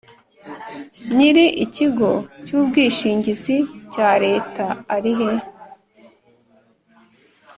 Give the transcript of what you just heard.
nyiri ikigo cy ubwishingizi cya leta arihe